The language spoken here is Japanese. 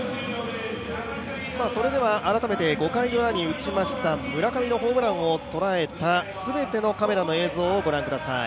改めて５回ウラに打ちました、村上のホームランを捉えた全てのカメラの映像をご覧ください。